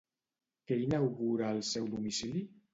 Què inaugura al seu domicili?